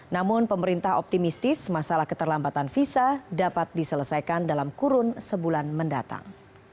namun pemerintah optimistis masalah keterlambatan visa dapat diselesaikan dalam kurun sebulan mendatang